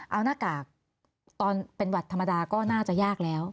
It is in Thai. เอาหน้ากากตอนเป็นหวัดธรรมดาก็น่าจะยากแล้ว